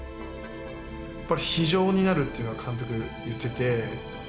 やっぱり非情になるっていうのは監督言ってて。